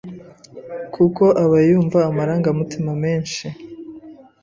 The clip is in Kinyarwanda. kuko aba yumva amarangamutima menshi,